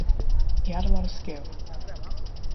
He had a lot of skill.